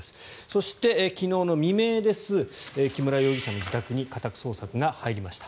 そして昨日の未明です木村容疑者の自宅に家宅捜索が入りました。